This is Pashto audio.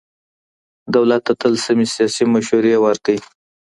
دولت ته تل سمې سياسي مشورې ورکړئ.